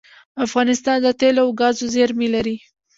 افغانستان د تیلو او ګازو زیرمې لري